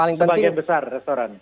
sebagian besar restoran